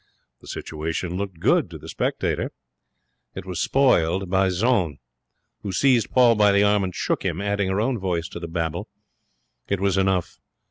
The situation looked good to the spectator. It was spoiled by Jeanne, who seized Paul by the arm and shook him, adding her own voice to the babel. It was enough.